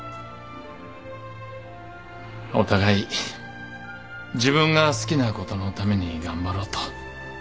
お互い自分が好きなことのために頑張ろうと。